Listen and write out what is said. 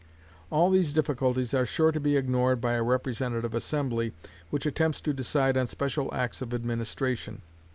All these difficulties are sure to be ignored by a representative assembly which attempts to decide on special acts of administration.